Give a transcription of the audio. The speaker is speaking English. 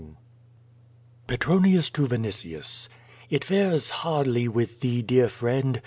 Petronius to Vinitius: It fares hardly with thee, dear friend.